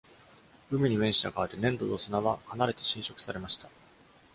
海に面した側で、粘土と砂は、離れて侵食されました。